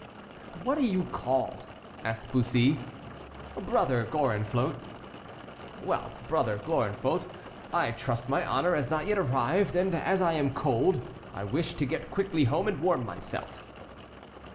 "What are you called?" asked Bussy. "Brother Gorenflot." "Well Brother Gorenflot, I trust my hour has not yet arrived and as I am cold, I wish to get quickly home and warm myself."